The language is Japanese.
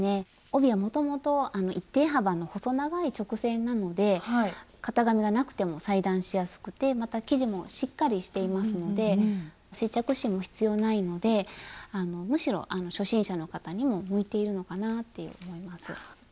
帯はもともと一定幅の細長い直線なので型紙がなくても裁断しやすくてまた生地もしっかりしていますので接着芯も必要ないのでむしろ初心者の方にも向いているのかなぁと思います。